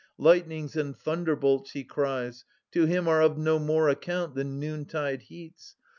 Lightnings and thunderbolts, he cries, to him 430 Are of no more account than noontide heats.